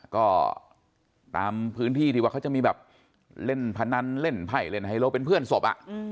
ก็ตามพื้นที่ที่ว่าเขาจะมีแบบเล่นพนันเล่นไพ่เล่นไฮโลเป็นเพื่อนศพ